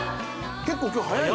結構今日早い。